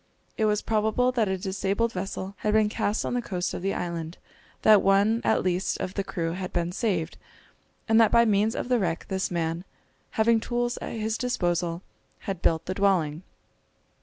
It was probable that a disabled vessel had been cast on the coast of the island, that one at least of the crew had been saved, and that by means of the wreck this man, having tools at his disposal, had built the dwelling.